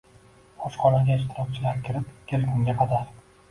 Oshxonaga ishtirokchilar kirib kelgunga qadar